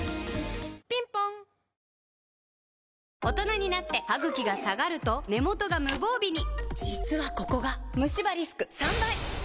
大人になってハグキが下がると根元が無防備に実はここがムシ歯リスク３倍！